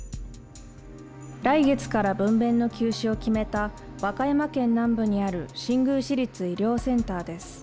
来月から分べんの休止を決めた、和歌山県南部にある新宮市立医療センターです。